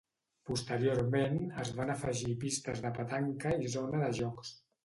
Posteriorment es van afegir pistes de petanca i zona de jocs.